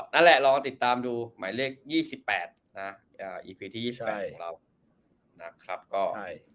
นั่นแหละลองติดตามดูหมายเลข๒๘นะอีพีที่๒๘ของเรานะครับ